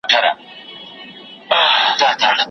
سر پر سر به ښې مزې واخلو له ژونده